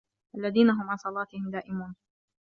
الَّذينَ هُم عَلى صَلاتِهِم دائِمونَ